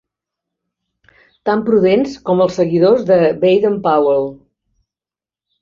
Tan prudents com els seguidors de Baden Powell.